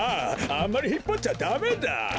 あんまりひっぱっちゃダメだ！